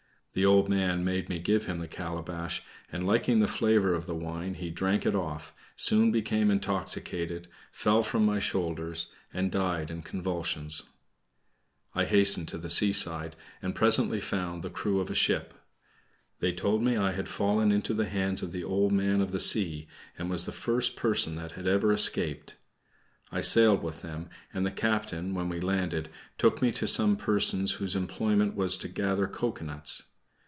The old man made me give him the calabash, and liking the flavor of the wine, he drank it off, soon became intoxicated, fell from my shoulders, and, died in convulsions. I hastened to the seaside, and presently found the crew of a ship. They told me I had fallen into the hands of the Old Man of the Sea, and was the first person that had ever escaped. I sailed with them, and the captain, when we landed, took me to some persons whose employment was to gather cocoanuts.